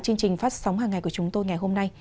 chương trình phát sóng hàng ngày của chúng tôi ngày hôm nay